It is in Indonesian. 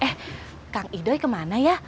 eh kang idoy kemana ya